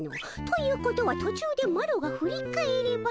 ということは途中でマロが振り返れば。